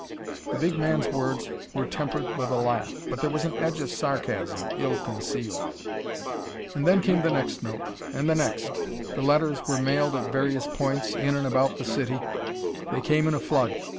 The big man's words were tempered with a laugh, but there was an edge of sarcasm, ill concealed. And then came the next note. And the next. The letters were mailed at various points in and about the city; they came in a flood.